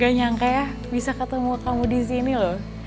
gak nyangka ya bisa ketemu kamu disini loh